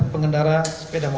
pengendara sepeda motor